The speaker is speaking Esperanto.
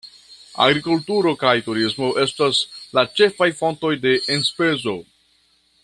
Agrikulturo kaj turismo estas la ĉefaj fontoj de enspezo.